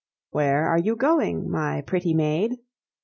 Where are you going, my pretty maid?